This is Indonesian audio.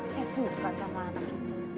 saya suka sama anak ini